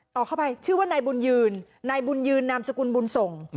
เข้าไปชื่อว่านายบุญยืนนายบุญยืนนามสกุลบุญส่ง